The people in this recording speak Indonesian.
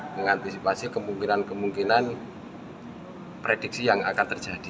mengantisipasi kemungkinan kemungkinan prediksi yang akan terjadi